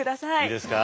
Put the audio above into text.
いいですか。